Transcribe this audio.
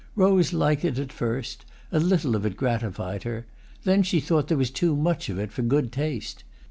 Rose liked it at first—a little of it gratified her; then she thought there was too much of it for good taste.